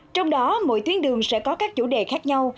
trong đó mỗi tuyến đường sẽ có các chủ đề khác nhau